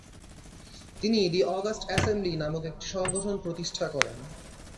তিনি ‘‘the August assembly’’ নামক একটি সংগঠন প্রতিষ্ঠা করেন।